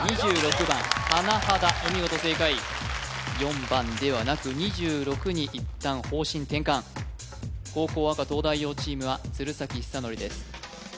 ２６番はなはだお見事正解４番ではなく２６に一旦方針転換後攻赤東大王チームは鶴崎修功です